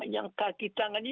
yang kaki tangannya